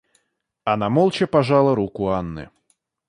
Она молча пожала руку Анны.